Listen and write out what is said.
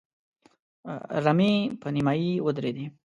رمې په نيمايي ودرېدې.